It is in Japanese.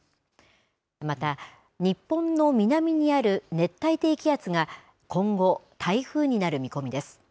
また、日本の南にある熱帯低気圧が今後、台風になる見込みです。